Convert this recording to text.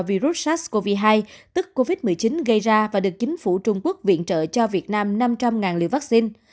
virus sars cov hai tức covid một mươi chín gây ra và được chính phủ trung quốc viện trợ cho việt nam năm trăm linh liều vaccine